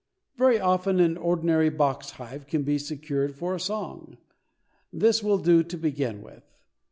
Very often an ordinary box hive can be secured for a "song." This will do to begin with.